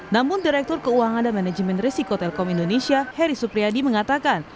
namun direktur keuangan dan manajemen risiko telkom indonesia heri supriyadi mengatakan